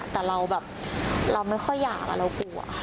แต่เราแบบเราไม่ค่อยอยากเรากลัว